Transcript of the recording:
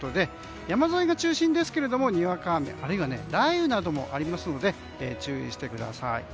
山沿いが中心ですけれどもにわか雨、あるいは雷雨などもありますので注意してください。